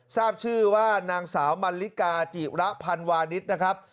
ทราบชื่อว่านางสาวมันลิกาจิระพันวานิสนะครับ